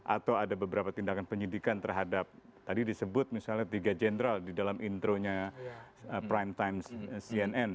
atau ada beberapa tindakan penyidikan terhadap tadi disebut misalnya tiga jenderal di dalam intronya primetime cnn